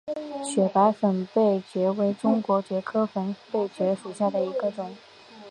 雪白粉背蕨为中国蕨科粉背蕨属下的一个种。